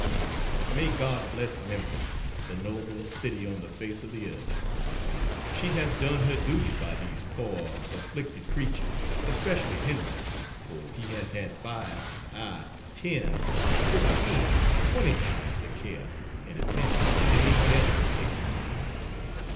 But may God bless Memphis, the noblest city on the face of the earth. She has done her duty by these poor afflicted creatures especially Henry, for he has had five aye, ten, fifteen, twenty times the care and attention that any one else has had.